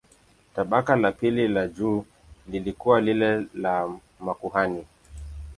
Tabaka la pili la juu lilikuwa lile la makuhani.